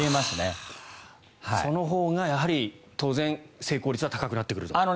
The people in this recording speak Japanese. そのほうがやはり当然、成功率が高くなってくると。